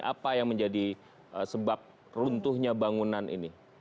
apa yang menjadi sebab runtuhnya bangunan ini